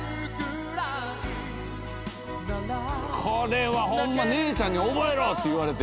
これはホンマ姉ちゃんに「覚えろ！」って言われて。